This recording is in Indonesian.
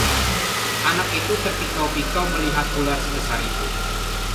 anak itu terpikau-pikau melihat ular sebesar itu